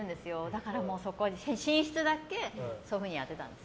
だから寝室だけそういうふうに当てたんです。